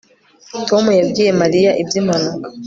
Tom yabwiye Mariya ibyimpanuka